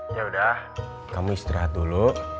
yaudah kamu istirahat dulu